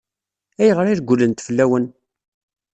Ayɣer i regglent fell-awen?